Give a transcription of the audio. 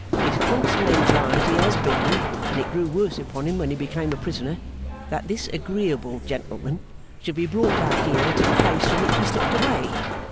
His constant anxiety has been (and it grew worse upon him when he became a prisoner), that this agreeable gentleman should be brought back here to the place from which he slipped away.